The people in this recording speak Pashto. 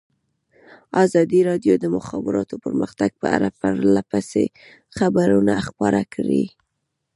ازادي راډیو د د مخابراتو پرمختګ په اړه پرله پسې خبرونه خپاره کړي.